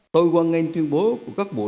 tôi quan ngành tuyên bố của các bộ trưởng